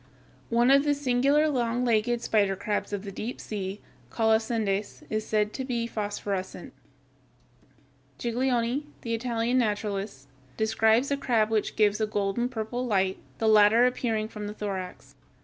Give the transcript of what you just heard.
One of the singular long legged spider crabs of the deep sea, Colossendeis, is said to be phosphorescent. Giglioli, the Italian naturalist, describes a crab which gives a golden purple light, the latter appearing from the thorax.